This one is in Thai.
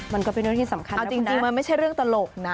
มันก็เป็นเรื่องที่สำคัญเอาจริงมันไม่ใช่เรื่องตลกนะ